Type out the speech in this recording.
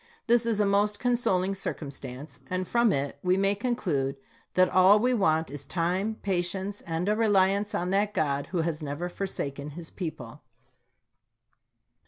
This is a most consoling circum stance, and from it we may conclude that all we want is time, patience, and a reliance on that God who has never forsaken this people.